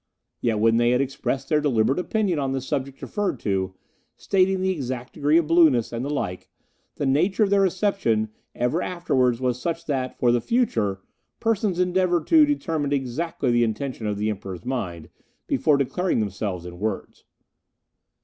yet when they had expressed their deliberate opinion on the subjects referred to, stating the exact degree of blueness, and the like, the nature of their reception ever afterwards was such that, for the future, persons endeavoured to determine exactly the intention of the Emperor's mind before declaring themselves in words.